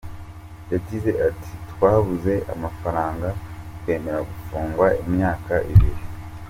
Yagize ati “Twabuze amafaranga, twemera gufungwa imyaka ibiri.